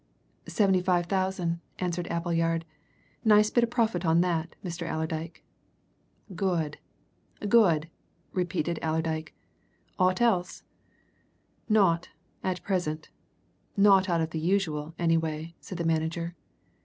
"Seventy five thousand," answered Appleyard. "Nice bit of profit on that, Mr. Allerdyke." "Good good!" repeated Allerdyke. "Aught else?" "Naught at present. Naught out of the usual, anyway," said the manager.